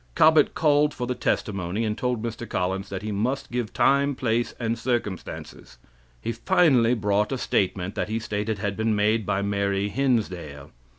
Cobbett called for the testimony, and told Mr. Collins that he must give time, place, and circumstances. He finally brought a statement that he stated had been made by Mary Hinsdale.